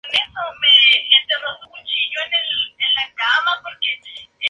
Además, había sido nombrado "miembro honorario de las fuerzas de seguridad".